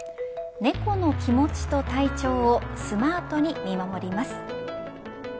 猫の気持ちと体調をスマートに見守ります。